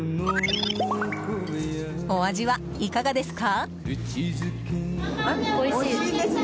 お味はいかがですか？